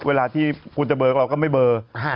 เวลาที่คุณจะเบอร์เราก็ไม่เบอร์